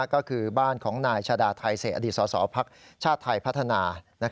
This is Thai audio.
ก็คือบ้านของนายชาดาไทเศษอดีตสสพักชาติไทยพัฒนา